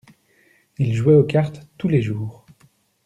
Ils jouaient aux cartes tous les jours.